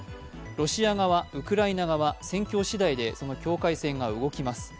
ロシア側、ウクライナ側、戦況しだいでその境界線が動きます。